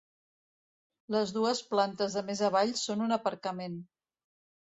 Les dues plantes de més avall són un aparcament.